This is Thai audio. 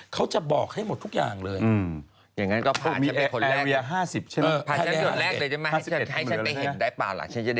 เขาจะบอกให้หมดทุกอย่างเลยได้ไหม